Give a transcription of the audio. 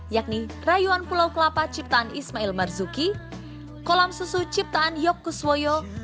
yakni rayuan pulau kelapa ciptaan ismail marzuki kolam susu ciptaan yokuswoyo